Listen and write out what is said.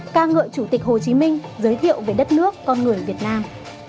ca ngợi chủ tịch hồ chí minh giới thiệu về đất nước con người việt nam